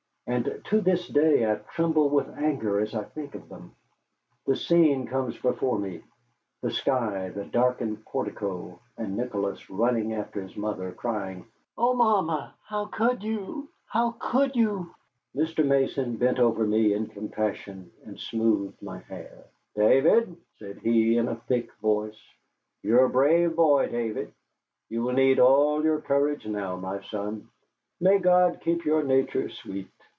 And to this day I tremble with anger as I think of them. The scene comes before me: the sky, the darkened portico, and Nicholas running after his mother crying: "Oh, mamma, how could you! How could you!" Mr. Mason bent over me in compassion, and smoothed my hair. "David," said he, in a thick voice, "you are a brave boy, David. You will need all your courage now, my son. May God keep your nature sweet!"